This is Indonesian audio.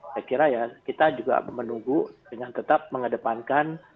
saya kira ya kita juga menunggu dengan tetap mengedepankan